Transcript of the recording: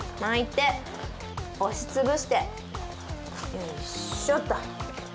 よいしょと。